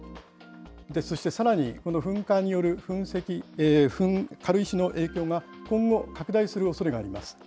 そしてさらに、この噴火による軽石の影響が、今後拡大するおそれがあります。